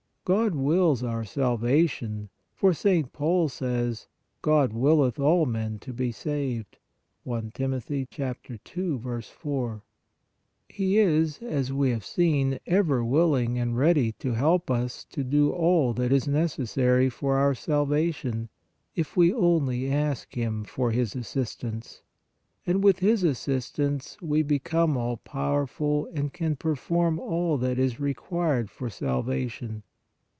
God wills our salvation, for St. Paul says : "God willeth all men to be saved" (I Tim. 2. 4). He is, as we have seen, ever willing and ready to help us to do all that is necessary for our salvation, if we only ask Him for His assistance; and with His assistance we become all powerful and can per form all that is required for salvation.